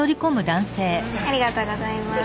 ありがとうございます。